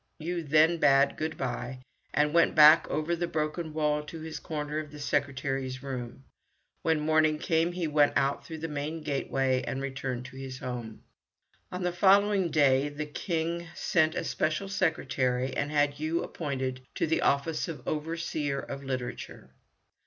Yoo then bade good bye, and went back over the broken wall to his corner in the secretary's room. When morning came he went out through the main gateway and returned to his home. On the following day the King sent a special secretary and had Yoo appointed to the office of Overseer of Literature.